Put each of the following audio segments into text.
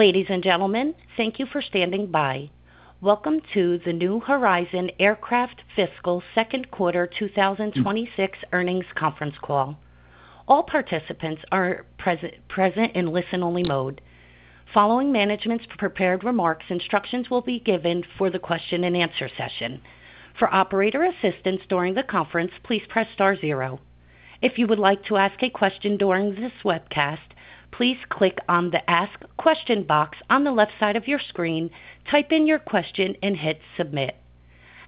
Ladies and gentlemen, thank you for standing by. Welcome to the New Horizon Aircraft Fiscal Second Quarter 2026 Earnings Conference Call. All participants are present in listen-only mode. Following management's prepared remarks, instructions will be given for the question-and-answer session. For operator assistance during the conference, please press star zero. If you would like to ask a question during this webcast, please click on the Ask Question box on the left side of your screen, type in your question, and hit submit.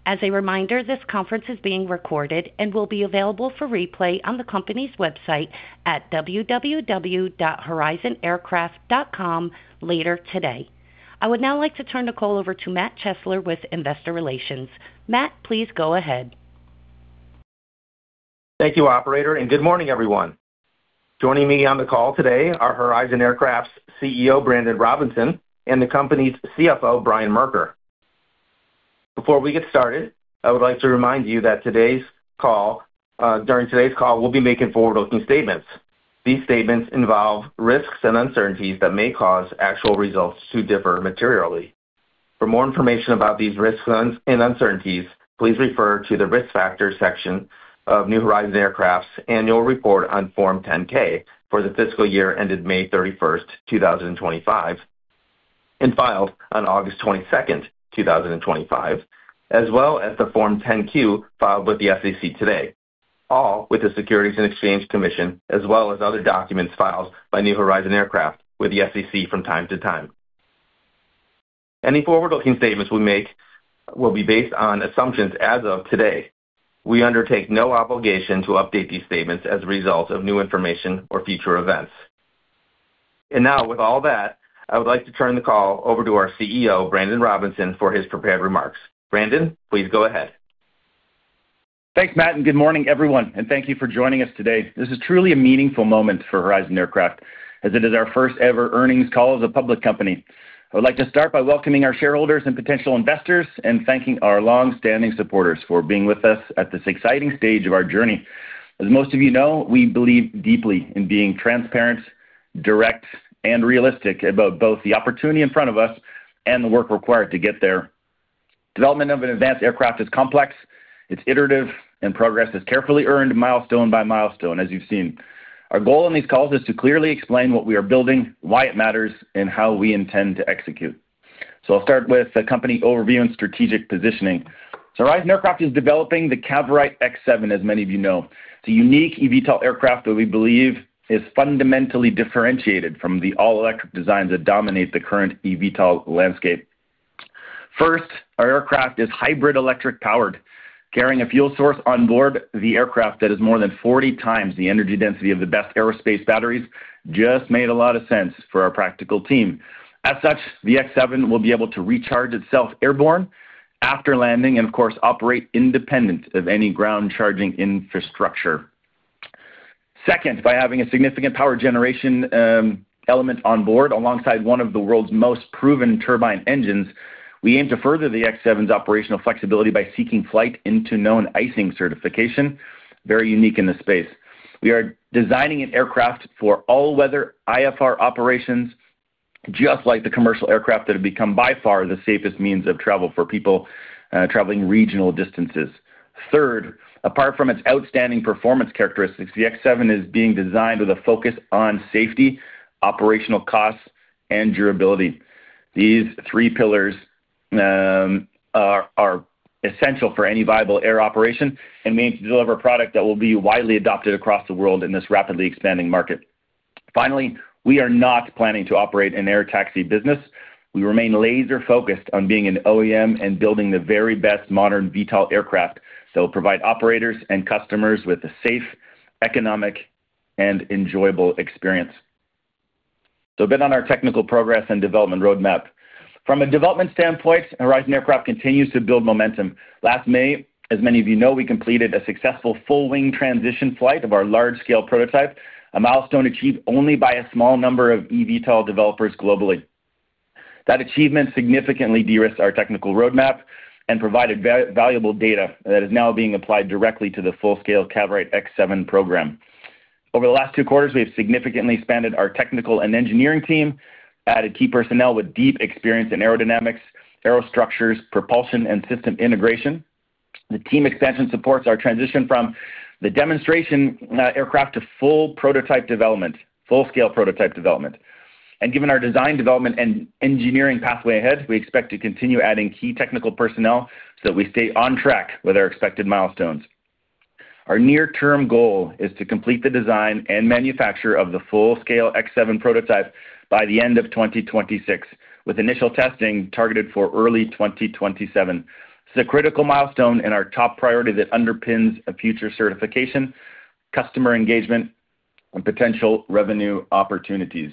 As a reminder, this conference is being recorded and will be available for replay on the company's website at www.horizonaircraft.com later today. I would now like to turn the call over to Matt Chesler with Investor Relations. Matt, please go ahead. Thank you, operator, and good morning, everyone. Joining me on the call today are Horizon Aircraft's CEO, Brandon Robinson, and the company's CFO, Brian Merker. Before we get started, I would like to remind you that during today's call, we'll be making forward-looking statements. These statements involve risks and uncertainties that may cause actual results to differ materially. For more information about these risks and uncertainties, please refer to the risk factors section of New Horizon Aircraft's annual report on Form 10-K for the fiscal year ended May 31st, 2025, and filed on August 22nd, 2025, as well as the Form 10-Q filed with the SEC today, all with the Securities and Exchange Commission, as well as other documents filed by New Horizon Aircraft with the SEC from time to time. Any forward-looking statements we make will be based on assumptions as of today. We undertake no obligation to update these statements as a result of new information or future events, and now, with all that, I would like to turn the call over to our CEO, Brandon Robinson, for his prepared remarks. Brandon, please go ahead. Thanks, Matt, and good morning, everyone, and thank you for joining us today. This is truly a meaningful moment for Horizon Aircraft, as it is our first-ever earnings call as a public company. I would like to start by welcoming our shareholders and potential investors and thanking our long-standing supporters for being with us at this exciting stage of our journey. As most of you know, we believe deeply in being transparent, direct, and realistic about both the opportunity in front of us and the work required to get there. Development of an advanced aircraft is complex. It's iterative, and progress is carefully earned milestone by milestone, as you've seen. Our goal in these calls is to clearly explain what we are building, why it matters, and how we intend to execute. So I'll start with a company overview and strategic positioning. Horizon Aircraft is developing the Cavorite X7, as many of you know. It's a unique eVTOL aircraft that we believe is fundamentally differentiated from the all-electric designs that dominate the current eVTOL landscape. First, our aircraft is hybrid electric powered, carrying a fuel source on board the aircraft that is more than 40 times the energy density of the best aerospace batteries. Just made a lot of sense for our practical team. As such, the X7 will be able to recharge itself airborne after landing and, of course, operate independent of any ground charging infrastructure. Second, by having a significant power generation element on board alongside one of the world's most proven turbine engines, we aim to further the X7's operational flexibility by seeking flight into known icing certification, very unique in this space. We are designing an aircraft for all-weather IFR operations, just like the commercial aircraft that have become by far the safest means of travel for people traveling regional distances. Third, apart from its outstanding performance characteristics, the X7 is being designed with a focus on safety, operational costs, and durability. These three pillars are essential for any viable air operation and mean to deliver a product that will be widely adopted across the world in this rapidly expanding market. Finally, we are not planning to operate an air taxi business. We remain laser-focused on being an OEM and building the very best modern VTOL aircraft that will provide operators and customers with a safe, economic, and enjoyable experience. So a bit on our technical progress and development roadmap. From a development standpoint, Horizon Aircraft continues to build momentum. Last May, as many of you know, we completed a successful full-wing transition flight of our large-scale prototype, a milestone achieved only by a small number of eVTOL developers globally. That achievement significantly de-risked our technical roadmap and provided valuable data that is now being applied directly to the full-scale Cavorite X7 program. Over the last two quarters, we have significantly expanded our technical and engineering team, added key personnel with deep experience in aerodynamics, aerostructures, propulsion, and system integration. The team expansion supports our transition from the demonstration aircraft to full prototype development, full-scale prototype development, and given our design development and engineering pathway ahead, we expect to continue adding key technical personnel so that we stay on track with our expected milestones. Our near-term goal is to complete the design and manufacture of the full-scale X7 prototype by the end of 2026, with initial testing targeted for early 2027. This is a critical milestone and our top priority that underpins a future certification, customer engagement, and potential revenue opportunities.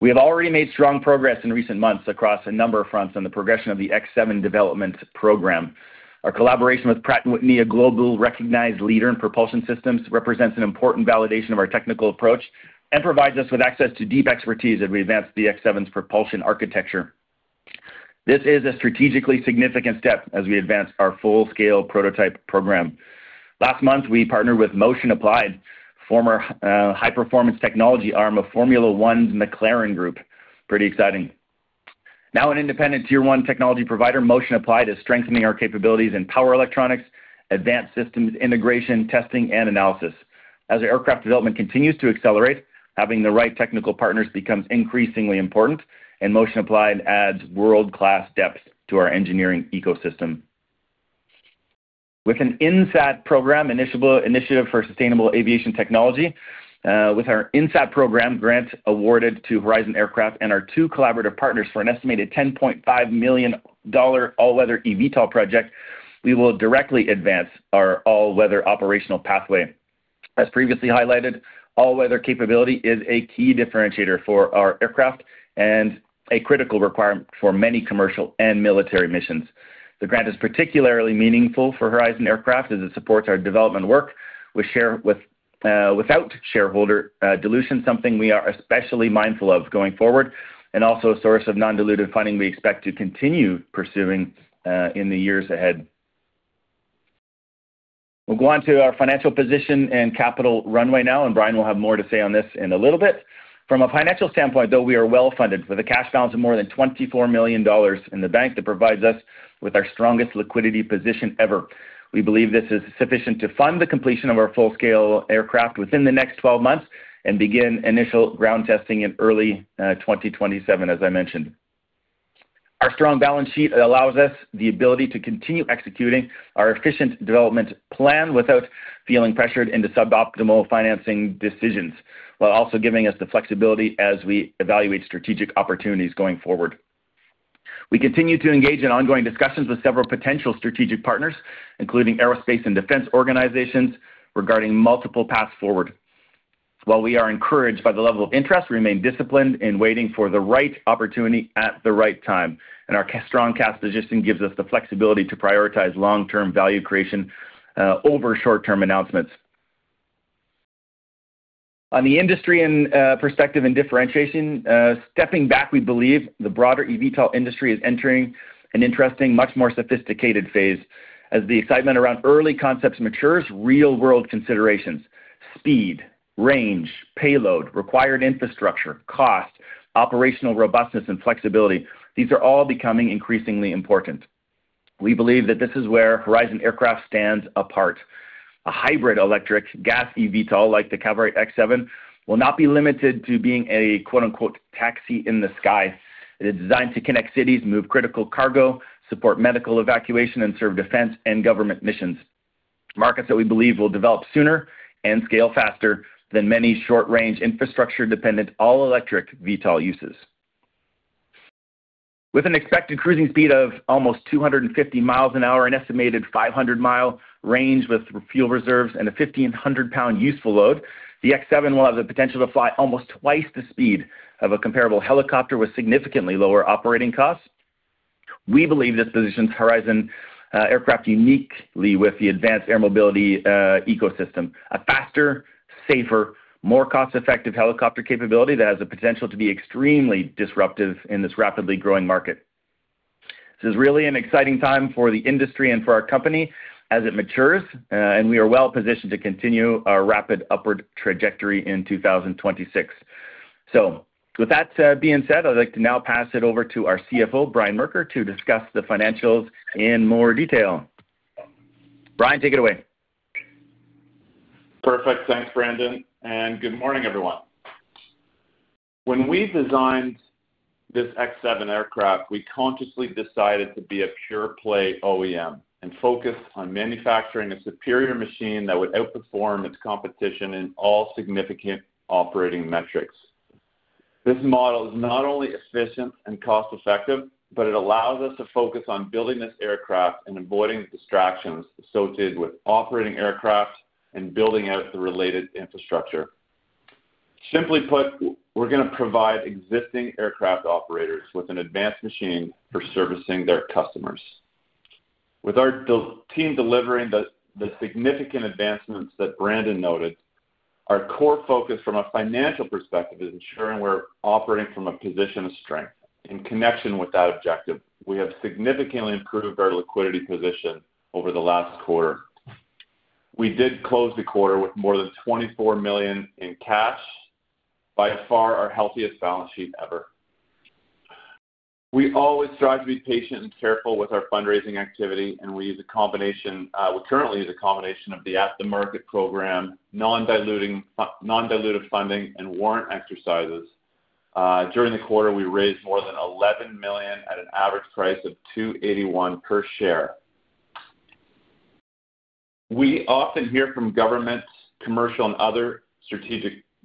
We have already made strong progress in recent months across a number of fronts on the progression of the X7 development program. Our collaboration with Pratt & Whitney, a globally recognized leader in propulsion systems, represents an important validation of our technical approach and provides us with access to deep expertise as we advance the X7's propulsion architecture. This is a strategically significant step as we advance our full-scale prototype program. Last month, we partnered with McLaren Applied, former high-performance technology arm of Formula One's McLaren Group. Pretty exciting. Now, an independent tier-one technology provider, McLaren Applied is strengthening our capabilities in power electronics, advanced systems integration, testing, and analysis. As our aircraft development continues to accelerate, having the right technical partners becomes increasingly important, and McLaren Applied adds world-class depth to our engineering ecosystem. With an INSAT program initiative for sustainable aviation technology, with our INSAT program grant awarded to Horizon Aircraft and our two collaborative partners for an estimated $10.5 million all-weather eVTOL project, we will directly advance our all-weather operational pathway. As previously highlighted, all-weather capability is a key differentiator for our aircraft and a critical requirement for many commercial and military missions. The grant is particularly meaningful for Horizon Aircraft as it supports our development work without shareholder dilution, something we are especially mindful of going forward, and also a source of non-dilutive funding we expect to continue pursuing in the years ahead. We'll go on to our financial position and capital runway now, and Brian will have more to say on this in a little bit. From a financial standpoint, though, we are well funded with a cash balance of more than $24 million in the bank that provides us with our strongest liquidity position ever. We believe this is sufficient to fund the completion of our full-scale aircraft within the next 12 months and begin initial ground testing in early 2027, as I mentioned. Our strong balance sheet allows us the ability to continue executing our efficient development plan without feeling pressured into suboptimal financing decisions, while also giving us the flexibility as we evaluate strategic opportunities going forward. We continue to engage in ongoing discussions with several potential strategic partners, including aerospace and defense organizations, regarding multiple paths forward. While we are encouraged by the level of interest, we remain disciplined in waiting for the right opportunity at the right time, and our strong cash position gives us the flexibility to prioritize long-term value creation over short-term announcements. On the industry perspective and differentiation, stepping back, we believe the broader eVTOL industry is entering an interesting, much more sophisticated phase. As the excitement around early concepts matures, real-world considerations (speed, range, payload, required infrastructure, cost, operational robustness, and flexibility) these are all becoming increasingly important. We believe that this is where Horizon Aircraft stands apart. A hybrid electric gas eVTOL like the Cavorite X7 will not be limited to being a "taxi in the sky." It is designed to connect cities, move critical cargo, support medical evacuation, and serve defense and government missions. Markets that we believe will develop sooner and scale faster than many short-range infrastructure-dependent all-electric VTOL uses. With an expected cruising speed of almost 250 mph and estimated 500 mi range with fuel reserves and a 1,500 pound useful load, the X7 will have the potential to fly almost twice the speed of a comparable helicopter with significantly lower operating costs. We believe this positions Horizon Aircraft uniquely with the advanced air mobility ecosystem, a faster, safer, more cost-effective helicopter capability that has the potential to be extremely disruptive in this rapidly growing market. This is really an exciting time for the industry and for our company as it matures, and we are well positioned to continue our rapid upward trajectory in 2026. So with that being said, I'd like to now pass it over to our CFO, Brian Merker, to discuss the financials in more detail. Brian, take it away. Perfect. Thanks, Brandon, and good morning, everyone. When we designed this X7 aircraft, we consciously decided to be a pure-play OEM and focus on manufacturing a superior machine that would outperform its competition in all significant operating metrics. This model is not only efficient and cost-effective, but it allows us to focus on building this aircraft and avoiding distractions associated with operating aircraft and building out the related infrastructure. Simply put, we're going to provide existing aircraft operators with an advanced machine for servicing their customers. With our team delivering the significant advancements that Brandon noted, our core focus from a financial perspective is ensuring we're operating from a position of strength. In connection with that objective, we have significantly improved our liquidity position over the last quarter. We did close the quarter with more than $24 million in cash, by far our healthiest balance sheet ever. We always strive to be patient and careful with our fundraising activity, and we currently use a combination of the after-market program, non-diluted funding, and warrant exercises. During the quarter, we raised more than $11 million at an average price of $281 per share. We often hear from government, commercial, and other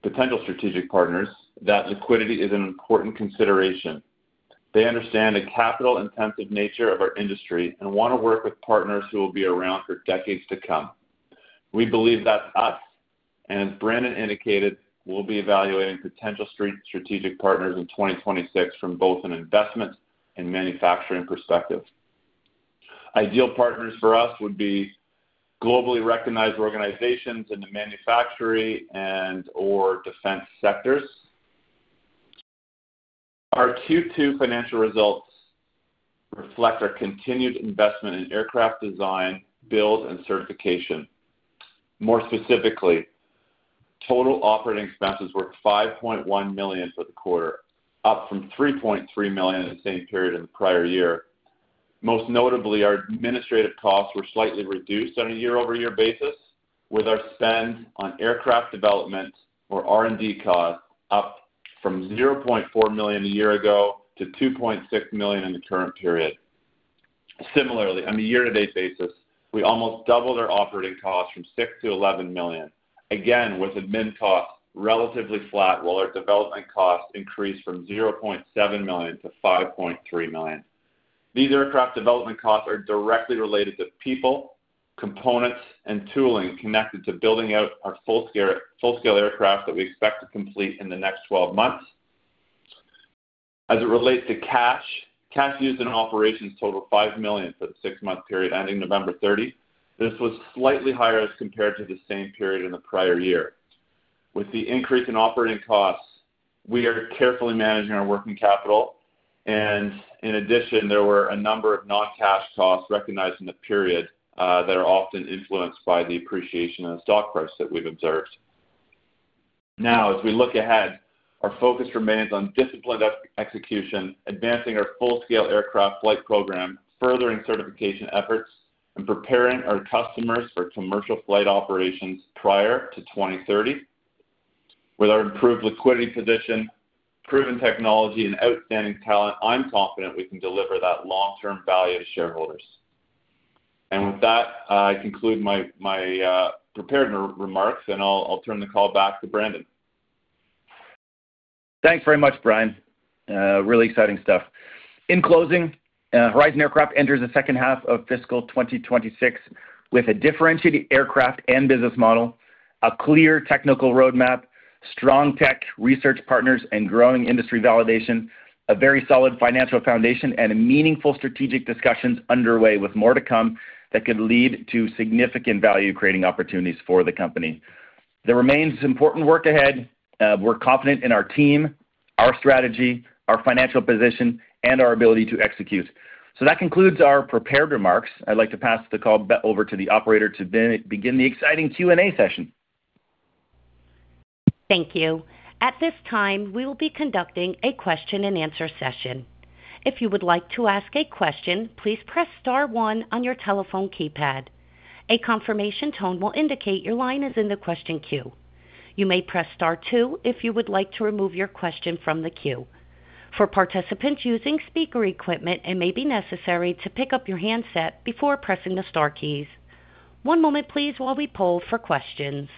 potential strategic partners that liquidity is an important consideration. They understand the capital-intensive nature of our industry and want to work with partners who will be around for decades to come. We believe that's us, and as Brandon indicated, we'll be evaluating potential strategic partners in 2026 from both an investment and manufacturing perspective. Ideal partners for us would be globally recognized organizations in the manufacturing and/or defense sectors. Our Q2 financial results reflect our continued investment in aircraft design, build, and certification. More specifically, total operating expenses were $5.1 million for the quarter, up from $3.3 million in the same period in the prior year. Most notably, our administrative costs were slightly reduced on a year-over-year basis, with our spend on aircraft development or R&D costs up from $0.4 million a year ago to $2.6 million in the current period. Similarly, on a year-to-date basis, we almost doubled our operating costs from $6 million-$11 million, again with admin costs relatively flat, while our development costs increased from $0.7 million-$5.3 million. These aircraft development costs are directly related to people, components, and tooling connected to building out our full-scale aircraft that we expect to complete in the next 12 months. As it relates to cash, cash used in operations totaled $5 million for the six-month period ending November 30. This was slightly higher as compared to the same period in the prior year. With the increase in operating costs, we are carefully managing our working capital. And in addition, there were a number of non-cash costs recognized in the period that are often influenced by the appreciation of the stock price that we've observed. Now, as we look ahead, our focus remains on disciplined execution, advancing our full-scale aircraft flight program, furthering certification efforts, and preparing our customers for commercial flight operations prior to 2030. With our improved liquidity position, proven technology, and outstanding talent, I'm confident we can deliver that long-term value to shareholders. And with that, I conclude my prepared remarks, and I'll turn the call back to Brandon. Thanks very much, Brian. Really exciting stuff. In closing, Horizon Aircraft enters the second half of fiscal 2026 with a differentiated aircraft and business model, a clear technical roadmap, strong tech research partners, and growing industry validation, a very solid financial foundation, and meaningful strategic discussions underway with more to come that could lead to significant value-creating opportunities for the company. There remains important work ahead. We're confident in our team, our strategy, our financial position, and our ability to execute. So that concludes our prepared remarks. I'd like to pass the call over to the operator to begin the exciting Q&A session. Thank you. At this time, we will be conducting a question-and-answer session. If you would like to ask a question, please press star one on your telephone keypad. A confirmation tone will indicate your line is in the question queue. You may press star two if you would like to remove your question from the queue. For participants using speaker equipment, it may be necessary to pick up your handset before pressing the star keys. One moment, please, while we poll for questions.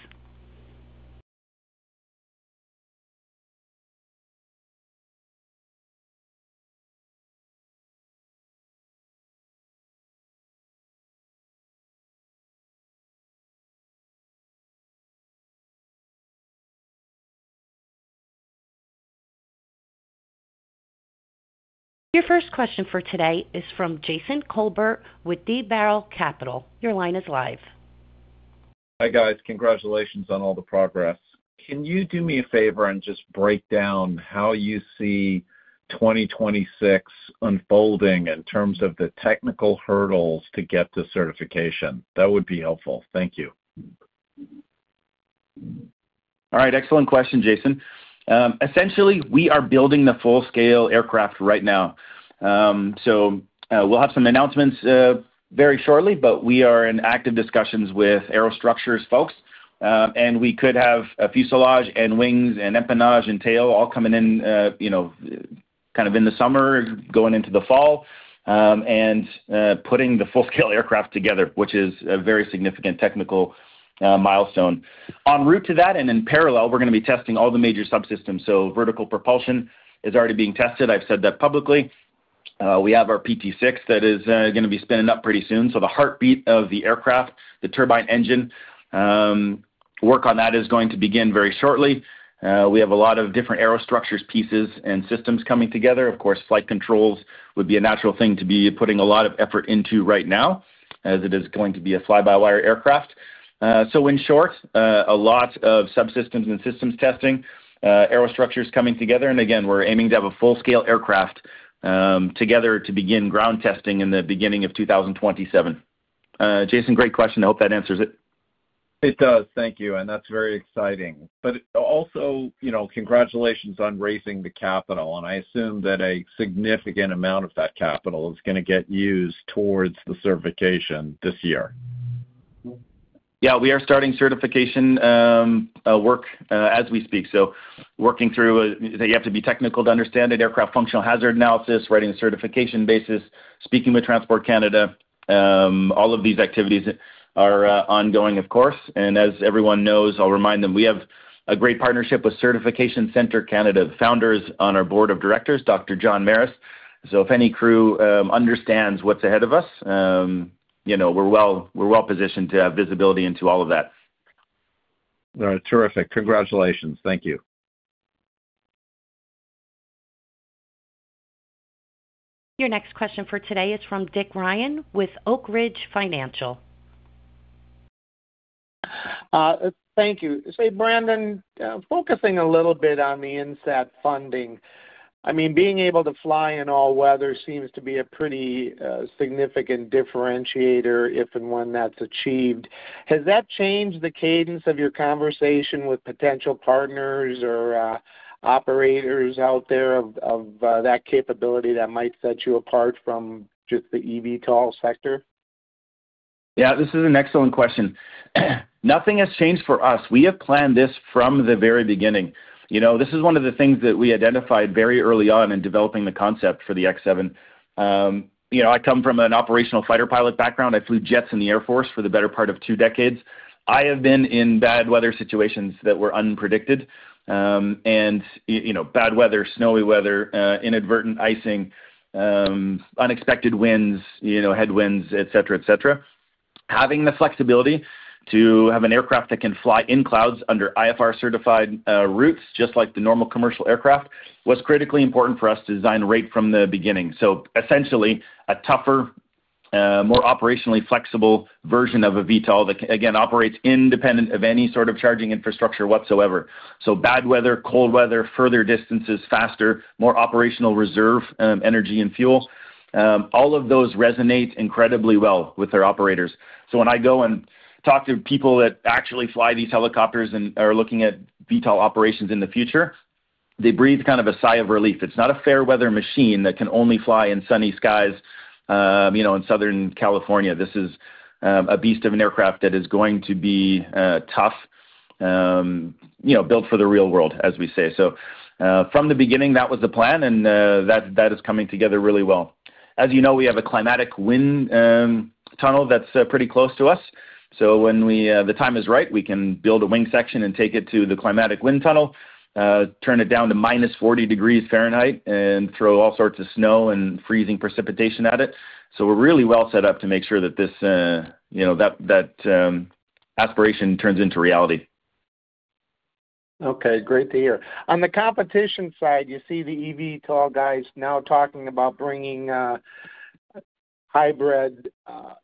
Your first question for today is from Jason Kolbert with D. Boral Capital. Your line is live. Hi guys. Congratulations on all the progress. Can you do me a favor and just break down how you see 2026 unfolding in terms of the technical hurdles to get to certification? That would be helpful. Thank you. All right. Excellent question, Jason. Essentially, we are building the full-scale aircraft right now. So we'll have some announcements very shortly, but we are in active discussions with aerostructures' folks, and we could have a fuselage and wings and empennage and tail all coming in kind of in the summer, going into the fall, and putting the full-scale aircraft together, which is a very significant technical milestone. En route to that, and in parallel, we're going to be testing all the major subsystems. So vertical propulsion is already being tested. I've said that publicly. We have our PT6 that is going to be spinning up pretty soon. So the heartbeat of the aircraft, the turbine engine work on that is going to begin very shortly. We have a lot of different aerostructures pieces and systems coming together. Of course, flight controls would be a natural thing to be putting a lot of effort into right now as it is going to be a fly-by-wire aircraft, so in short, a lot of subsystems and systems testing, aerostructure is coming together, and again, we're aiming to have a full-scale aircraft together to begin ground testing in the beginning of 2027. Jason, great question. I hope that answers it. It does. Thank you. And that's very exciting. But also, congratulations on raising the capital. And I assume that a significant amount of that capital is going to get used toward the certification this year. Yeah. We are starting certification work as we speak, so working through that, you have to be technical to understand an aircraft functional hazard analysis, writing a certification basis, speaking with Transport Canada. All of these activities are ongoing, of course, and as everyone knows, I'll remind them we have a great partnership with Certification Center Canada. The founder is on our board of directors, Dr. John Maris, so if any crew understands what's ahead of us, we're well positioned to have visibility into all of that. All right. Terrific. Congratulations. Thank you. Your next question for today is from Dick Ryan with Oak Ridge Financial. Thank you. So Brandon, focusing a little bit on the INSAT funding. I mean, being able to fly in all weather seems to be a pretty significant differentiator if and when that's achieved. Has that changed the cadence of your conversation with potential partners or operators out there of that capability that might set you apart from just the eVTOL sector? Yeah. This is an excellent question. Nothing has changed for us. We have planned this from the very beginning. This is one of the things that we identified very early on in developing the concept for the X7. I come from an operational fighter pilot background. I flew jets in the Air Force for the better part of two decades. I have been in bad weather situations that were unpredicted, and bad weather, snowy weather, inadvertent icing, unexpected winds, headwinds, etc., etc. Having the flexibility to have an aircraft that can fly in clouds under IFR-certified routes, just like the normal commercial aircraft, was critically important for us to design right from the beginning, so essentially, a tougher, more operationally flexible version of a VTOL that, again, operates independent of any sort of charging infrastructure whatsoever, so bad weather, cold weather, further distances, faster, more operational reserve energy and fuel. All of those resonate incredibly well with our operators. So when I go and talk to people that actually fly these helicopters and are looking at VTOL operations in the future, they breathe kind of a sigh of relief. It's not a fair-weather machine that can only fly in sunny skies in Southern California. This is a beast of an aircraft that is going to be tough, built for the real world, as we say. So from the beginning, that was the plan, and that is coming together really well. As you know, we have a climatic wind tunnel that's pretty close to us. So when the time is right, we can build a wing section and take it to the climatic wind tunnel, turn it down to minus 40 degrees Fahrenheit, and throw all sorts of snow and freezing precipitation at it. So we're really well set up to make sure that that aspiration turns into reality. Okay. Great to hear. On the competition side, you see the eVTOL guys now talking about bringing hybrid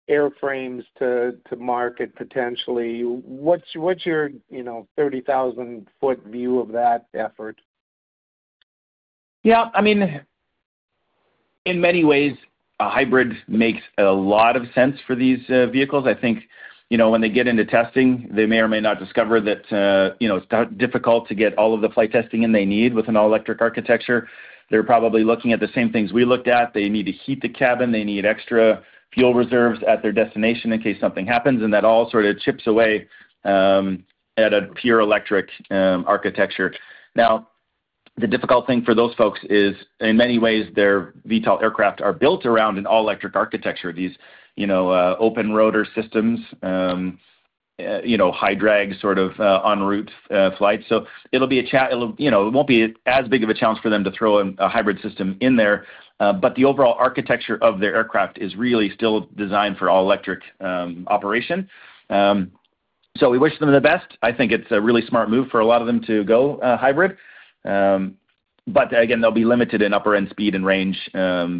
airframes to market potentially. What's your 30,000-foot view of that effort? Yeah. I mean, in many ways, hybrid makes a lot of sense for these vehicles. I think when they get into testing, they may or may not discover that it's difficult to get all of the flight testing in they need with an all-electric architecture. They're probably looking at the same things we looked at. They need to heat the cabin. They need extra fuel reserves at their destination in case something happens. And that all sort of chips away at a pure electric architecture. Now, the difficult thing for those folks is, in many ways, their VTOL aircraft are built around an all-electric architecture, these open rotor systems, high-drag sort of en route flight. So it'll be a challenge. It won't be as big of a challenge for them to throw a hybrid system in there. But the overall architecture of their aircraft is really still designed for all-electric operation. So we wish them the best. I think it's a really smart move for a lot of them to go hybrid. But again, they'll be limited in upper-end speed and range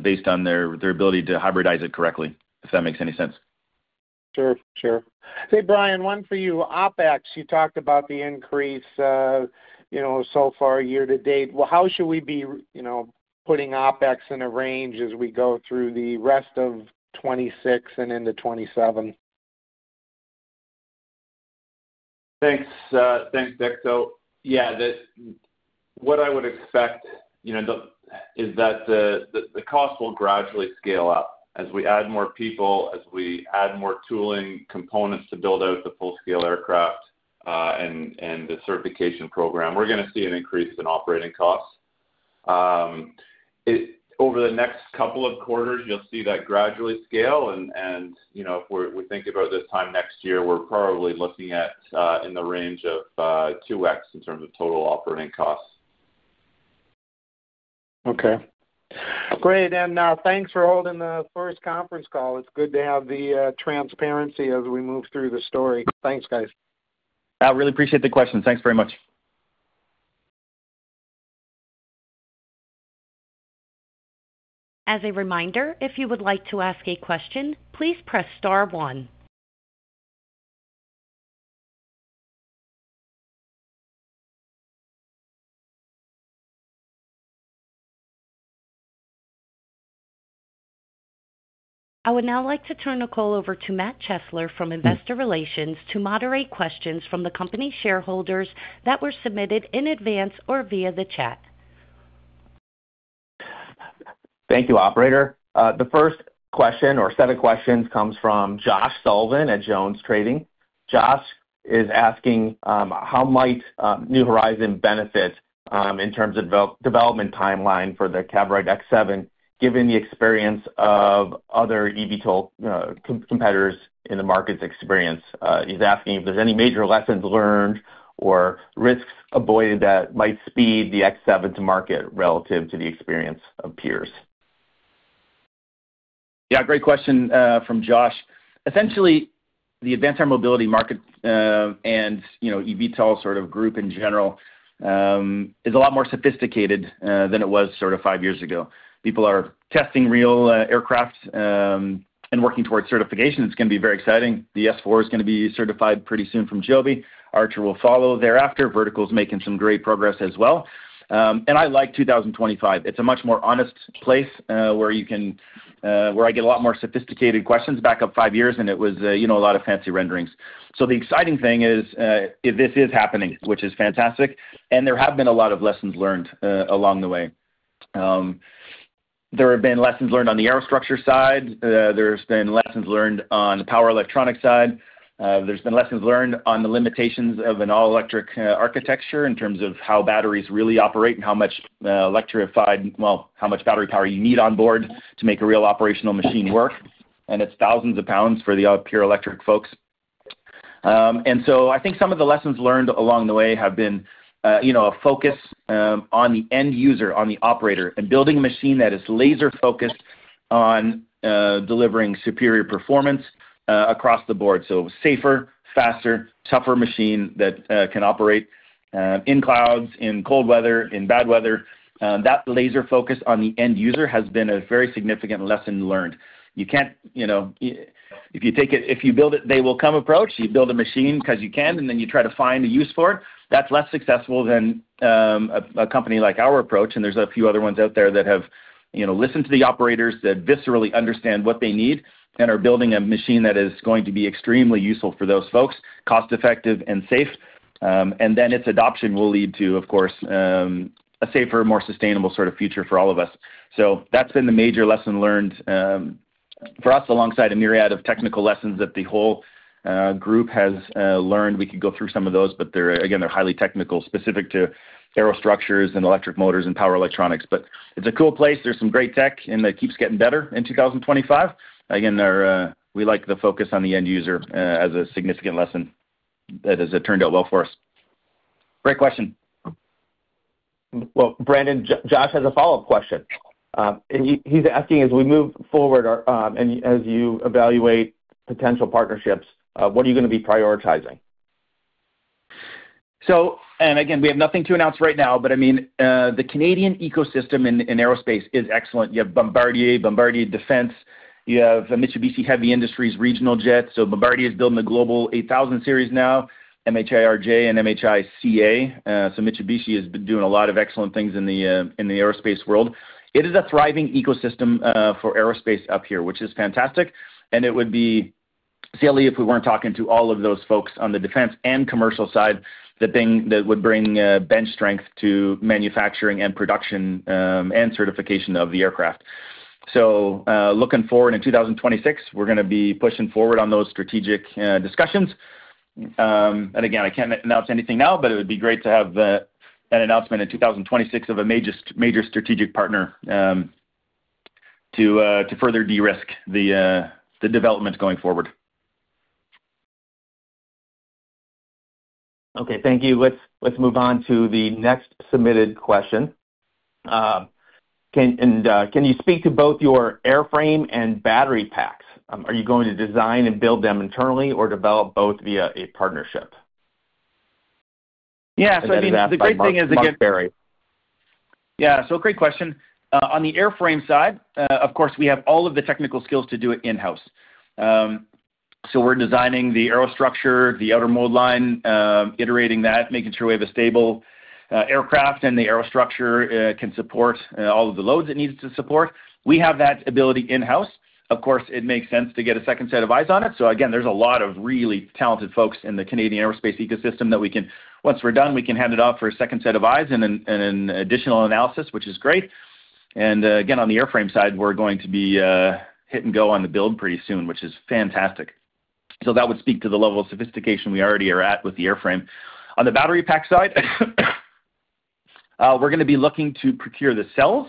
based on their ability to hybridize it correctly, if that makes any sense. Sure. Sure. Hey, Brian, one for you. OpEx, you talked about the increase so far year to date. Well, how should we be putting OpEx in a range as we go through the rest of 2026 and into 2027? Thanks, Dick. So yeah, what I would expect is that the cost will gradually scale up as we add more people, as we add more tooling components to build out the full-scale aircraft and the certification program. We're going to see an increase in operating costs. Over the next couple of quarters, you'll see that gradually scale, and if we think about this time next year, we're probably looking at in the range of 2X in terms of total operating costs. Okay. Great, and thanks for holding the first conference call. It's good to have the transparency as we move through the story. Thanks, guys. Yeah. I really appreciate the question. Thanks very much. As a reminder, if you would like to ask a question, please press star one. I would now like to turn the call over to Matt Chesler from Investor Relations to moderate questions from the company shareholders that were submitted in advance or via the chat. Thank you, operator. The first question or set of questions comes from Josh Sullivan at JonesTrading. Josh is asking how might New Horizon benefit in terms of development timeline for the Cavorite X7, given the experience of other eVTOL competitors in the market's experience. He's asking if there's any major lessons learned or risks avoided that might speed the X7 to market relative to the experience of peers. Yeah. Great question from Josh. Essentially, the advanced air mobility market and eVTOL sort of group in general is a lot more sophisticated than it was sort of five years ago. People are testing real aircraft and working towards certification. It's going to be very exciting. The S4 is going to be certified pretty soon from Joby. Archer will follow thereafter. Vertical's making some great progress as well. And I like 2025. It's a much more honest place where I get a lot more sophisticated questions back up five years, and it was a lot of fancy renderings, so the exciting thing is this is happening, which is fantastic, and there have been a lot of lessons learned along the way. There have been lessons learned on the aerostructure side. There's been lessons learned on the power electronics side. There's been lessons learned on the limitations of an all-electric architecture in terms of how batteries really operate and how much electrified, well, how much battery power you need on board to make a real operational machine work. And it's thousands of pounds for the pure electric folks. I think some of the lessons learned along the way have been a focus on the end user, on the operator, and building a machine that is laser-focused on delivering superior performance across the board. So safer, faster, tougher machine that can operate in clouds, in cold weather, in bad weather. That laser focus on the end user has been a very significant lesson learned. You can't, if you take it, if you build it, they will come approach. You build a machine because you can, and then you try to find a use for it. That's less successful than a company like our approach. And there's a few other ones out there that have listened to the operators, that viscerally understand what they need, and are building a machine that is going to be extremely useful for those folks, cost-effective and safe. Its adoption will lead to, of course, a safer, more sustainable sort of future for all of us. So that's been the major lesson learned for us alongside a myriad of technical lessons that the whole group has learned. We could go through some of those, but again, they're highly technical, specific to aerostructures and electric motors and power electronics. But it's a cool place. There's some great tech, and it keeps getting better in 2025. Again, we like the focus on the end user as a significant lesson. That has turned out well for us. Great question. Well, Brandon, Josh has a follow-up question. He's asking, as we move forward and as you evaluate potential partnerships, what are you going to be prioritizing? And again, we have nothing to announce right now. But I mean, the Canadian ecosystem in aerospace is excellent. You have Bombardier, Bombardier Defense. You have Mitsubishi Heavy Industries Regional Jet, so Bombardier is building the Global 8000 series now, MHIRJ, and MHICA. So Mitsubishi has been doing a lot of excellent things in the aerospace world. It is a thriving ecosystem for aerospace up here, which is fantastic, and it would be silly if we weren't talking to all of those folks on the defense and commercial side that would bring bench strength to manufacturing and production and certification of the aircraft. So looking forward in 2026, we're going to be pushing forward on those strategic discussions. And again, I can't announce anything now, but it would be great to have an announcement in 2026 of a major strategic partner to further de-risk the development going forward. Okay. Thank you. Let's move on to the next submitted question, and can you speak to both your airframe and battery packs? Are you going to design and build them internally or develop both via a partnership? Yeah, so I mean, the great thing is again. That's not very. Yeah. So great question. On the airframe side, of course, we have all of the technical skills to do it in-house. So we're designing the aerostructure, the outer mold line, iterating that, making sure we have a stable aircraft and the aerostructure can support all of the loads it needs to support. We have that ability in-house. Of course, it makes sense to get a second set of eyes on it. So again, there's a lot of really talented folks in the Canadian aerospace ecosystem that we can, once we're done, we can hand it off for a second set of eyes and an additional analysis, which is great. And again, on the airframe side, we're going to be hit and go on the build pretty soon, which is fantastic. So that would speak to the level of sophistication we already are at with the airframe. On the battery pack side, we're going to be looking to procure the cells.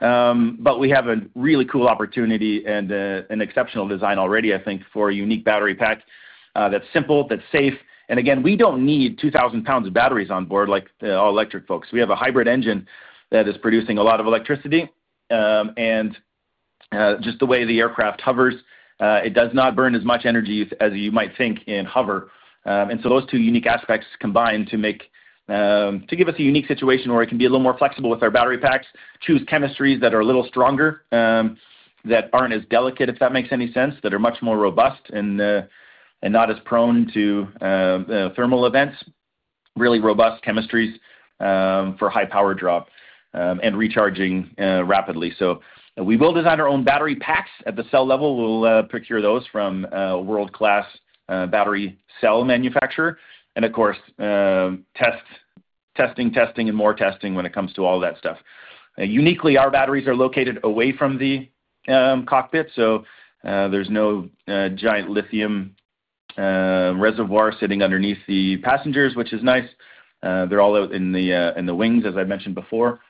But we have a really cool opportunity and an exceptional design already, I think, for a unique battery pack that's simple, that's safe. And again, we don't need 2,000 pounds of batteries on board like all-electric folks. We have a hybrid engine that is producing a lot of electricity. And just the way the aircraft hovers, it does not burn as much energy as you might think in hover. And so those two unique aspects combine to give us a unique situation where it can be a little more flexible with our battery packs, choose chemistries that are a little stronger, that aren't as delicate, if that makes any sense, that are much more robust and not as prone to thermal events, really robust chemistries for high power drop and recharging rapidly. So we will design our own battery packs at the cell level. We'll procure those from a world-class battery cell manufacturer. And of course, testing, testing, and more testing when it comes to all that stuff. Uniquely, our batteries are located away from the cockpit. So there's no giant lithium reservoir sitting underneath the passengers, which is nice. They're all out in the wings, as I mentioned before.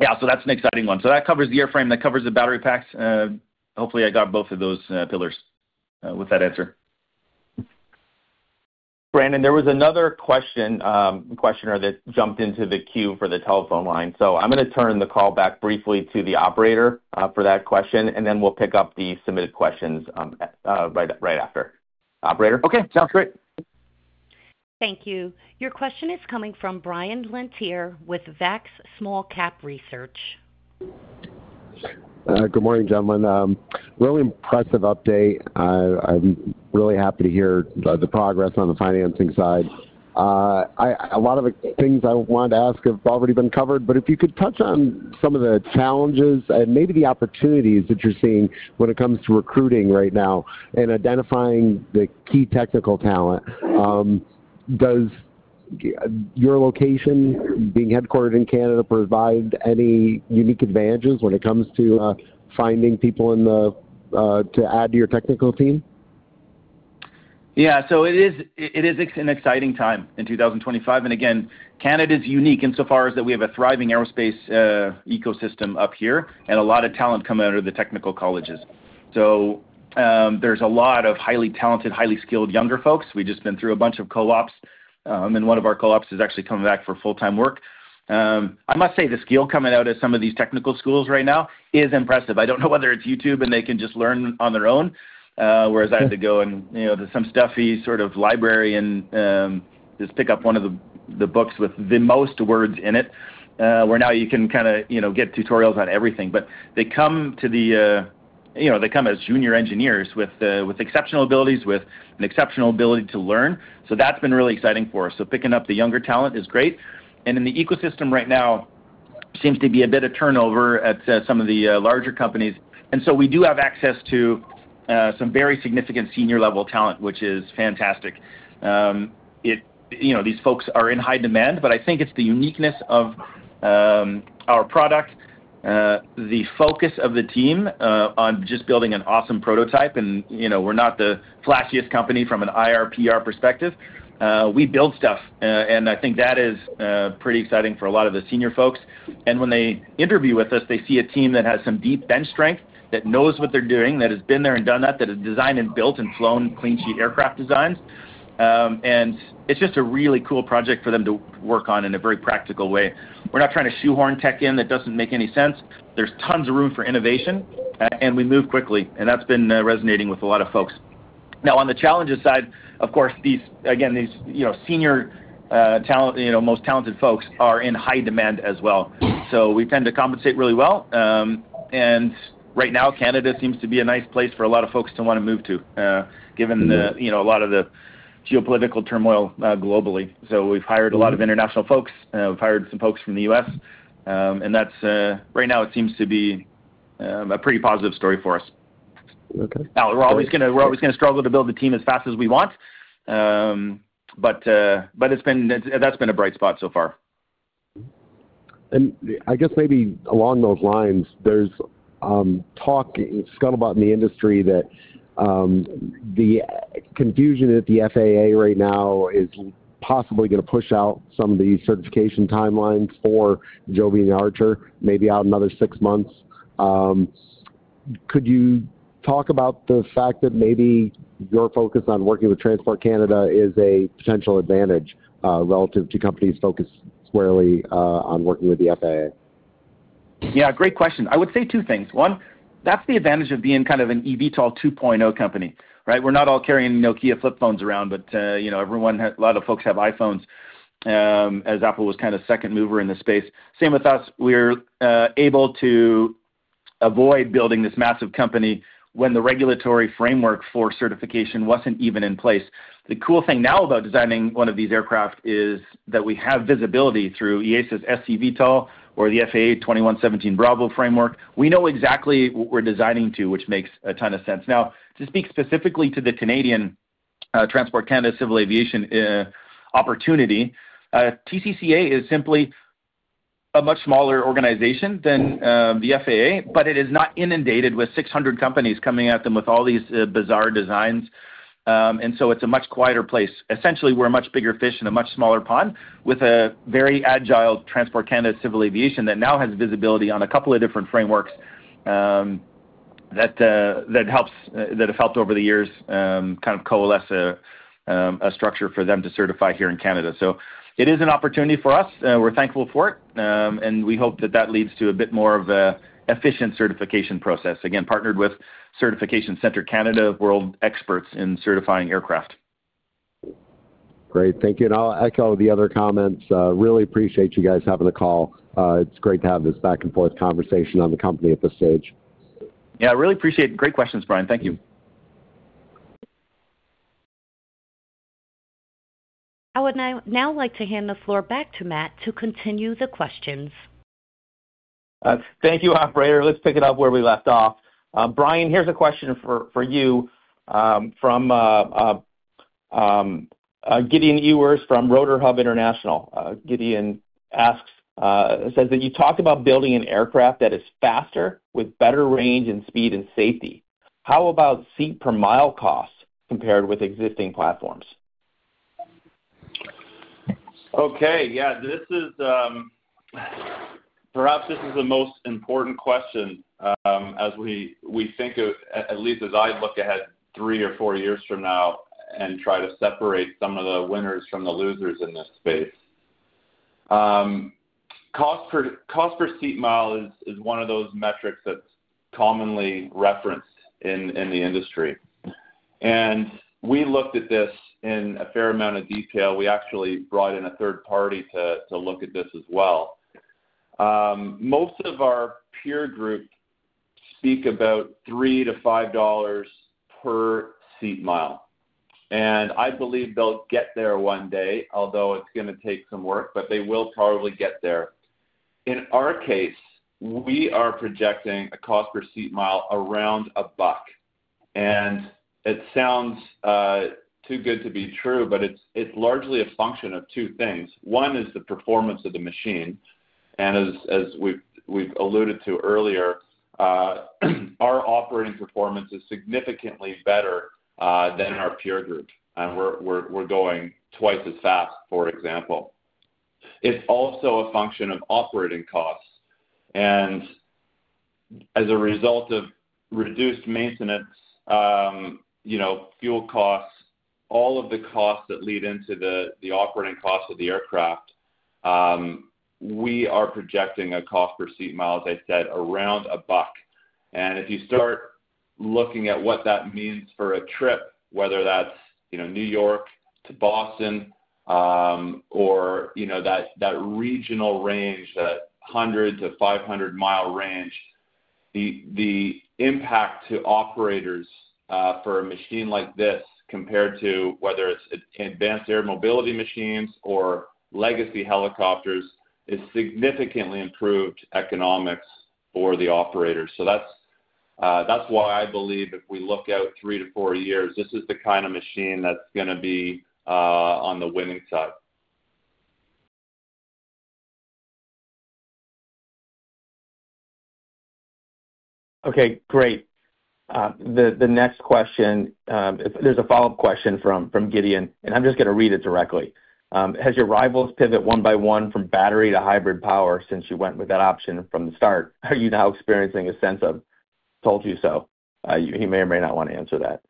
Yeah. So that's an exciting one. So that covers the airframe. That covers the battery packs. Hopefully, I got both of those pillars with that answer. Brandon, there was another questioner that jumped into the queue for the telephone line. So I'm going to turn the call back briefly to the operator for that question, and then we'll pick up the submitted questions right after. Operator. Okay. Sounds great. Thank you. Your question is coming from Brian Lantier with Zacks Small-Cap Research. Good morning, gentlemen. Really impressive update. I'm really happy to hear the progress on the financing side. A lot of the things I wanted to ask have already been covered. But if you could touch on some of the challenges and maybe the opportunities that you're seeing when it comes to recruiting right now and identifying the key technical talent. Does your location, being headquartered in Canada, provide any unique advantages when it comes to finding people to add to your technical team? Yeah. So it is an exciting time in 2025. And again, Canada is unique insofar as that we have a thriving aerospace ecosystem up here and a lot of talent coming out of the technical colleges. So there's a lot of highly talented, highly skilled younger folks. We've just been through a bunch of co-ops. And one of our co-ops is actually coming back for full-time work. I must say the skill coming out of some of these technical schools right now is impressive. I don't know whether it's YouTube and they can just learn on their own, whereas I had to go into some stuffy sort of library and just pick up one of the books with the most words in it, where now you can kind of get tutorials on everything. But they come as junior engineers with exceptional abilities, with an exceptional ability to learn. So that's been really exciting for us. So picking up the younger talent is great. And in the ecosystem right now, seems to be a bit of turnover at some of the larger companies. And so we do have access to some very significant senior-level talent, which is fantastic. These folks are in high demand, but I think it's the uniqueness of our product, the focus of the team on just building an awesome prototype. And we're not the flashiest company from an IR/PR perspective. We build stuff. And I think that is pretty exciting for a lot of the senior folks. And when they interview with us, they see a team that has some deep bench strength, that knows what they're doing, that has been there and done that, that has designed and built and flown clean-sheet aircraft designs. And it's just a really cool project for them to work on in a very practical way. We're not trying to shoehorn tech in that doesn't make any sense. There's tons of room for innovation. And we move quickly. And that's been resonating with a lot of folks. Now, on the challenges side, of course, again, these senior, most talented folks are in high demand as well. So we tend to compensate really well. And right now, Canada seems to be a nice place for a lot of folks to want to move to, given a lot of the geopolitical turmoil globally. So we've hired a lot of international folks. We've hired some folks from the U.S., and right now, it seems to be a pretty positive story for us. Now, we're always going to struggle to build the team as fast as we want, but that's been a bright spot so far. And I guess maybe along those lines, there's talk, scuttlebutt in the industry that the confusion at the FAA right now is possibly going to push out some of the certification timelines for Joby and Archer, maybe out another six months. Could you talk about the fact that maybe your focus on working with Transport Canada is a potential advantage relative to companies focused squarely on working with the FAA? Yeah. Great question. I would say two things. One, that's the advantage of being kind of an eVTOL 2.0 company, right? We're not all carrying Nokia flip phones around, but a lot of folks have iPhones, as Apple was kind of second mover in the space. Same with us. We're able to avoid building this massive company when the regulatory framework for certification wasn't even in place. The cool thing now about designing one of these aircraft is that we have visibility through EASA's SC-VTOL or the FAA 21.17(b) framework. We know exactly what we're designing to, which makes a ton of sense. Now, to speak specifically to the Canadian Transport Canada Civil Aviation opportunity, TCCA is simply a much smaller organization than the FAA, but it is not inundated with 600 companies coming at them with all these bizarre designs. And so it's a much quieter place. Essentially, we're a much bigger fish in a much smaller pond with a very agile Transport Canada Civil Aviation that now has visibility on a couple of different frameworks that have helped over the years kind of coalesce a structure for them to certify here in Canada. So it is an opportunity for us. We're thankful for it. And we hope that that leads to a bit more of an efficient certification process, again, partnered with Certification Center Canada, world experts in certifying aircraft. Great. Thank you, and I'll echo the other comments. Really appreciate you guys having the call. It's great to have this back-and-forth conversation on the company at this stage. Yeah. I really appreciate it. Great questions, Brian. Thank you. I would now like to hand the floor back to Matt to continue the questions. Thank you, Operator. Let's pick it up where we left off. Brian, here's a question for you from Gideon Ewers from RotorHub International. Gideon says that you talked about building an aircraft that is faster with better range and speed and safety. How about seat-per-mile costs compared with existing platforms? Okay. Yeah. Perhaps this is the most important question as we think of, at least as I look ahead three or four years from now and try to separate some of the winners from the losers in this space. Cost per seat mile is one of those metrics that's commonly referenced in the industry. And we looked at this in a fair amount of detail. We actually brought in a third party to look at this as well. Most of our peer group speak about $3-$5 per seat mile. And I believe they'll get there one day, although it's going to take some work, but they will probably get there. In our case, we are projecting a cost per seat mile around $1. And it sounds too good to be true, but it's largely a function of two things. One is the performance of the machine. As we've alluded to earlier, our operating performance is significantly better than our peer group. We're going twice as fast, for example. It's also a function of operating costs. As a result of reduced maintenance, fuel costs, all of the costs that lead into the operating costs of the aircraft, we are projecting a cost per seat mile, as I said, around $1. If you start looking at what that means for a trip, whether that's New York to Boston or that regional range, that 100-500-mile range, the impact to operators for a machine like this compared to whether it's advanced air mobility machines or legacy helicopters is significantly improved economics for the operators. That's why I believe if we look out three to four years, this is the kind of machine that's going to be on the winning side. Okay. Great. The next question, there's a follow-up question from Gideon. And I'm just going to read it directly. Has your rivals pivot one by one from battery to hybrid power since you went with that option from the start? Are you now experiencing a sense of, "Told you so"? He may or may not want to answer that.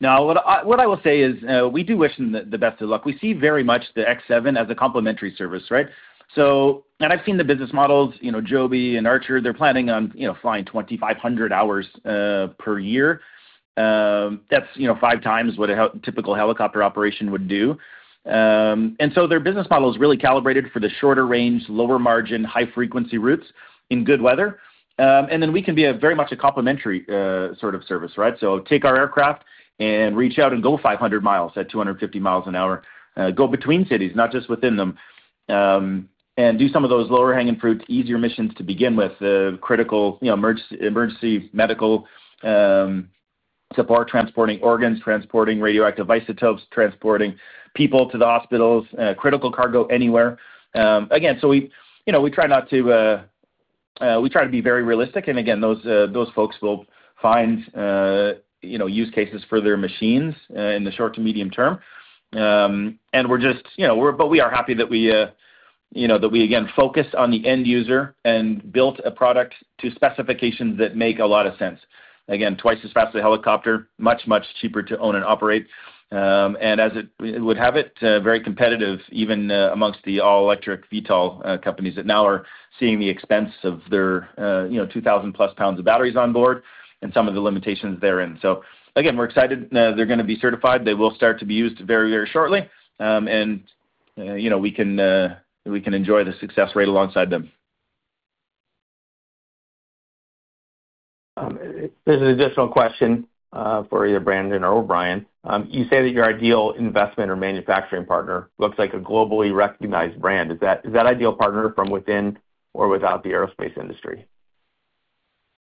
No. What I will say is we do wish them the best of luck. We see very much the X7 as a complementary service, right? And I've seen the business models, Joby and Archer. They're planning on flying 2,500 hours per year. That's five times what a typical helicopter operation would do. And so their business model is really calibrated for the shorter range, lower margin, high-frequency routes in good weather. And then we can be very much a complementary sort of service, right? So take our aircraft and reach out and go 500 miles at 250 miles an hour, go between cities, not just within them, and do some of those lower-hanging fruit, easier missions to begin with, critical emergency medical support, transporting organs, transporting radioactive isotopes, transporting people to the hospitals, critical cargo anywhere. Again, so we try to be very realistic. Again, those folks will find use cases for their machines in the short to medium term. We're just but we are happy that we again focused on the end user and built a product to specifications that make a lot of sense. Again, twice as fast as a helicopter, much, much cheaper to own and operate. As it would have it, very competitive even amongst the all-electric VTOL companies that now are seeing the expense of their 2,000+ pounds of batteries on board and some of the limitations they're in. Again, we're excited. They're going to be certified. They will start to be used very, very shortly. We can enjoy the success rate alongside them. There's an additional question for either Brandon or Brian. You say that your ideal investment or manufacturing partner looks like a globally recognized brand. Is that ideal partner from within or without the aerospace industry?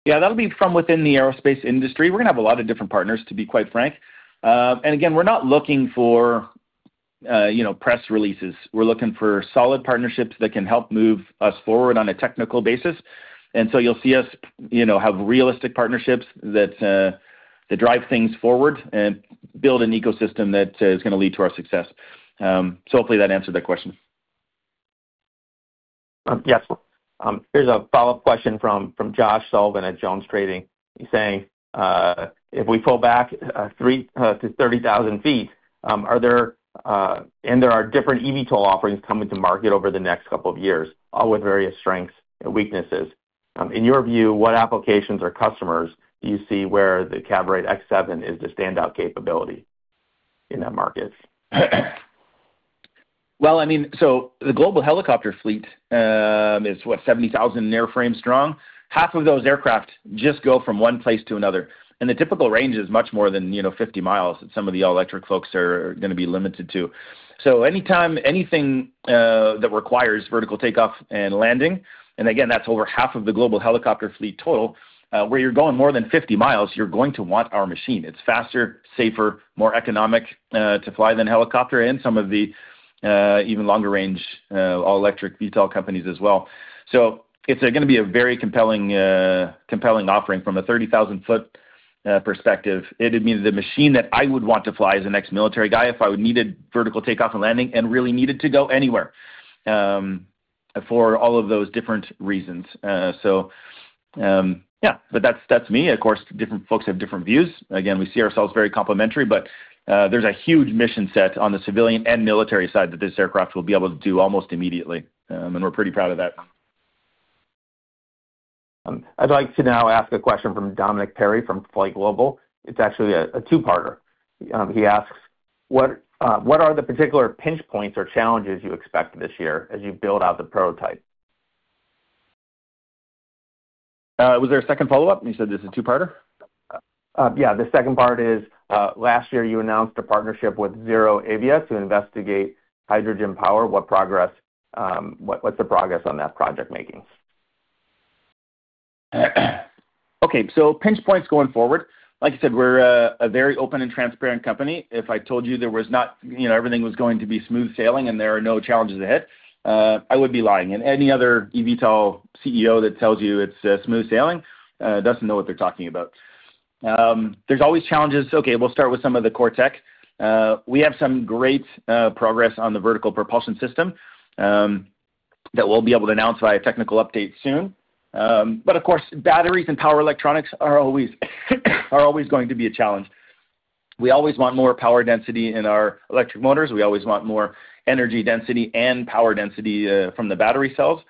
Yeah. That'll be from within the aerospace industry. We're going to have a lot of different partners, to be quite frank. And again, we're not looking for press releases. We're looking for solid partnerships that can help move us forward on a technical basis. And so you'll see us have realistic partnerships that drive things forward and build an ecosystem that is going to lead to our success. So hopefully that answered that question. Yes. Here's a follow-up question from Josh Sullivan at JonesTrading. He's saying, "If we fall back to 30,000 feet, are there different eVTOL offerings coming to market over the next couple of years, all with various strengths and weaknesses. In your view, what applications or customers do you see where the Cavorite X7 is the standout capability in that market? I mean, so the global helicopter fleet is, what, 70,000 airframes strong? Half of those aircraft just go from one place to another. The typical range is much more than 50 miles that some of the all-electric folks are going to be limited to. Anytime anything that requires vertical takeoff and landing and again, that's over half of the global helicopter fleet total, where you're going more than 50 miles, you're going to want our machine. It's faster, safer, more economic to fly than helicopter and some of the even longer-range all-electric VTOL companies as well. It's going to be a very compelling offering from a 30,000 ft perspective. It would mean the machine that I would want to fly as a next military guy if I needed vertical takeoff and landing and really needed to go anywhere for all of those different reasons. Yeah. But that's me. Of course, different folks have different views. Again, we see ourselves very complementary. But there's a huge mission set on the civilian and military side that this aircraft will be able to do almost immediately. And we're pretty proud of that. I'd like to now ask a question from Dominic Perry from FlightGlobal. It's actually a two-parter. He asks, "What are the particular pinch points or challenges you expect this year as you build out the prototype? Was there a second follow-up? You said this is a two-parter? Yeah. The second part is, "Last year, you announced a partnership with ZeroAvia to investigate hydrogen power. What's the progress on that project making? Okay. So pinch points going forward. Like I said, we're a very open and transparent company. If I told you there was not everything was going to be smooth sailing and there are no challenges ahead, I would be lying. And any other eVTOL CEO that tells you it's smooth sailing doesn't know what they're talking about. There's always challenges. Okay. We'll start with some of the core tech. We have some great progress on the vertical propulsion system that we'll be able to announce via technical update soon. But of course, batteries and power electronics are always going to be a challenge. We always want more power density in our electric motors. We always want more energy density and power density from the battery cells.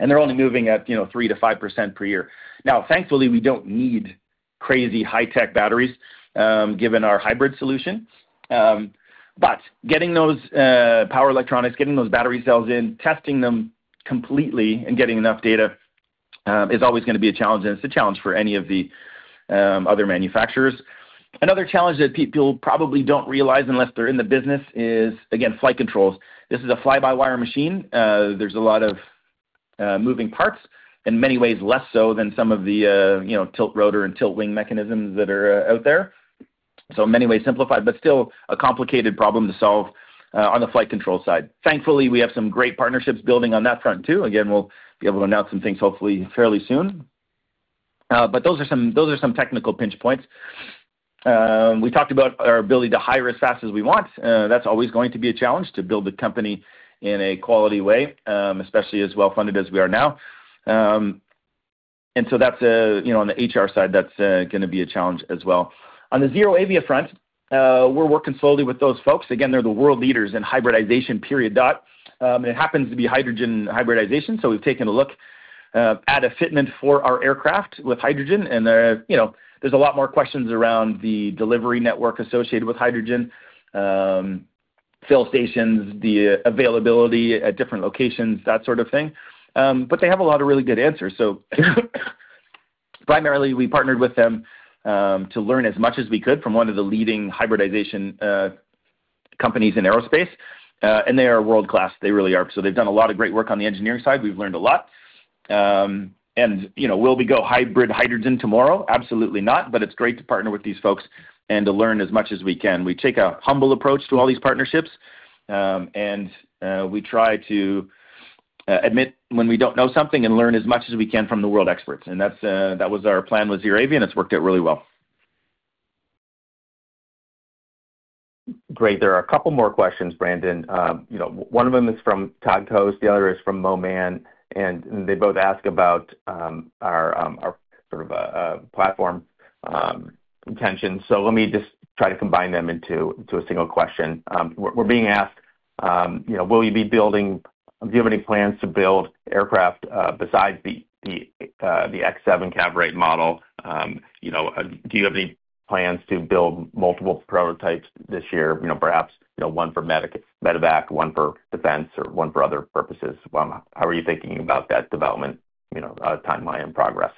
And they're only moving at 3%-5% per year. Now, thankfully, we don't need crazy high-tech batteries given our hybrid solution. But getting those power electronics, getting those battery cells in, testing them completely, and getting enough data is always going to be a challenge. And it's a challenge for any of the other manufacturers. Another challenge that people probably don't realize unless they're in the business is, again, flight controls. This is a fly-by-wire machine. There's a lot of moving parts and many ways less so than some of the tiltrotor and tiltwing mechanisms that are out there. So many ways simplified, but still a complicated problem to solve on the flight control side. Thankfully, we have some great partnerships building on that front too. Again, we'll be able to announce some things hopefully fairly soon. But those are some technical pinch points. We talked about our ability to hire as fast as we want. That's always going to be a challenge to build a company in a quality way, especially as well-funded as we are now, and so on the HR side, that's going to be a challenge as well. On the ZeroAvia front, we're working slowly with those folks. Again, they're the world leaders in hybridization, period, and it happens to be hydrogen hybridization, so we've taken a look at a fitment for our aircraft with hydrogen, and there's a lot more questions around the delivery network associated with hydrogen, fill stations, the availability at different locations, that sort of thing, but they have a lot of really good answers, so primarily, we partnered with them to learn as much as we could from one of the leading hybridization companies in aerospace, and they are world-class. They really are, so they've done a lot of great work on the engineering side. We've learned a lot. And will we go hybrid hydrogen tomorrow? Absolutely not. But it's great to partner with these folks and to learn as much as we can. We take a humble approach to all these partnerships. And we try to admit when we don't know something and learn as much as we can from the world experts. And that was our plan with ZeroAvia. And it's worked out really well. Great. There are a couple more questions, Brandon. One of them is from Todd Kost. The other is from MoMan. And they both ask about our sort of platform intentions. So let me just try to combine them into a single question. We're being asked, "Will you be building? Do you have any plans to build aircraft besides the Cavorite X7 model? Do you have any plans to build multiple prototypes this year, perhaps one for medevac, one for defense, or one for other purposes?" How are you thinking about that development timeline and progress?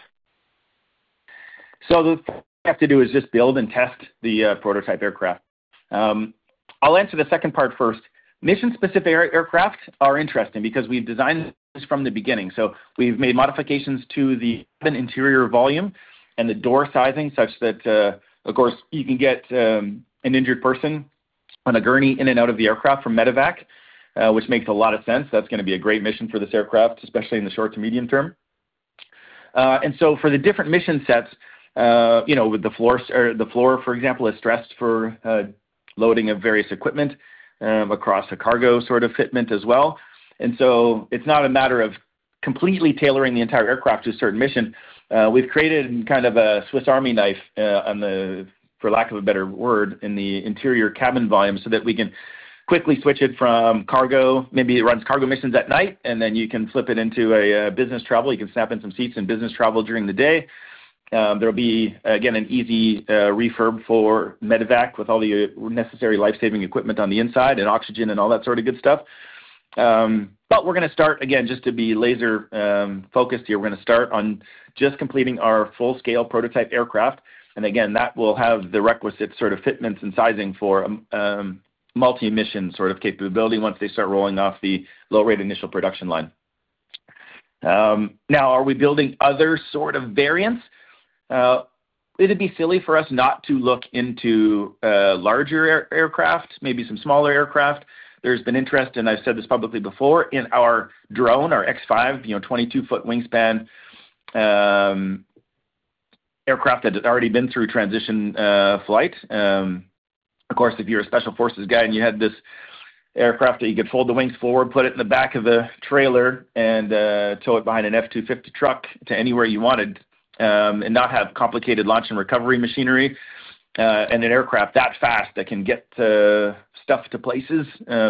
The first thing we have to do is just build and test the prototype aircraft. I'll answer the second part first. Mission-specific aircraft are interesting because we've designed this from the beginning. We've made modifications to the cabin interior volume and the door sizing such that, of course, you can get an injured person on a gurney in and out of the aircraft for medevac, which makes a lot of sense. That's going to be a great mission for this aircraft, especially in the short to medium term. For the different mission sets, the floor, for example, is stressed for loading of various equipment across a cargo sort of fitment as well. It's not a matter of completely tailoring the entire aircraft to a certain mission. We've created kind of a Swiss Army knife, for lack of a better word, in the interior cabin volume so that we can quickly switch it from cargo. Maybe it runs cargo missions at night, and then you can flip it into business travel. You can snap in some seats in business travel during the day. There'll be, again, an easy reconfig for medevac with all the necessary lifesaving equipment on the inside and oxygen and all that sort of good stuff. But we're going to start, again, just to be laser-focused here. We're going to start on just completing our full-scale prototype aircraft. And again, that will have the requisite sort of fitments and sizing for multi-mission sort of capability once they start rolling off the low-rate initial production line. Now, are we building other sort of variants? It'd be silly for us not to look into larger aircraft, maybe some smaller aircraft. There's been interest, and I've said this publicly before, in our drone, our X5, 22 ft wingspan aircraft that had already been through transition flight. Of course, if you're a special forces guy and you had this aircraft that you could fold the wings forward, put it in the back of a trailer, and tow it behind an F-250 truck to anywhere you wanted and not have complicated launch and recovery machinery and an aircraft that fast that can get stuff to places,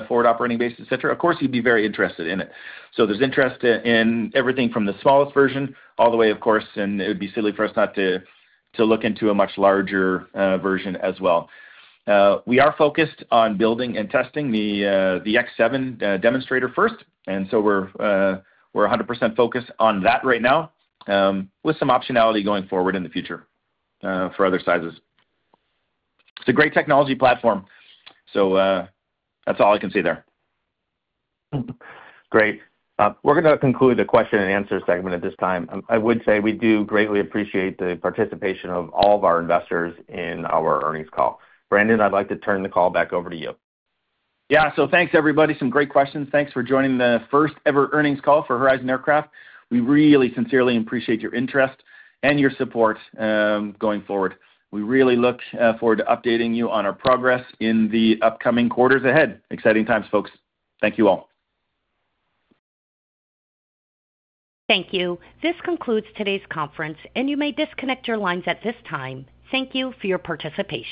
forward operating bases, etc., of course, you'd be very interested in it. So there's interest in everything from the smallest version all the way, of course, and it would be silly for us not to look into a much larger version as well. We are focused on building and testing the X7 demonstrator first. And so we're 100% focused on that right now with some optionality going forward in the future for other sizes. It's a great technology platform. So that's all I can say there. Great. We're going to conclude the question and answer segment at this time. I would say we do greatly appreciate the participation of all of our investors in our earnings call. Brandon, I'd like to turn the call back over to you. Yeah. So thanks, everybody. Some great questions. Thanks for joining the first-ever earnings call for Horizon Aircraft. We really sincerely appreciate your interest and your support going forward. We really look forward to updating you on our progress in the upcoming quarters ahead. Exciting times, folks. Thank you all. Thank you. This concludes today's conference, and you may disconnect your lines at this time. Thank you for your participation.